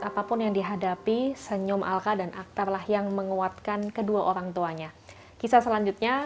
apapun yang dihadapi senyum alka dan aktarlah yang menguatkan kedua orangtuanya kisah selanjutnya